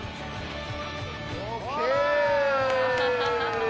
ＯＫ！